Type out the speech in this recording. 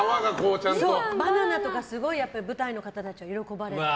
バナナとか、すごい舞台の方たちは喜ばれて。